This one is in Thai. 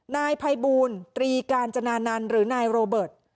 นายภัยบูลตรีกาญจนานันต์หรือนายโรเบิร์ต